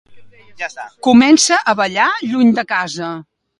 Comença a ballar lluny de casa.